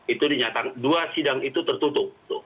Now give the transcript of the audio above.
itu dinyatakan dua sidang itu tertutup